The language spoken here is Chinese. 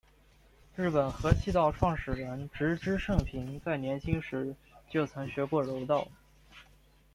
日本合气道创始人植芝盛平在年轻时就曾学过柔道。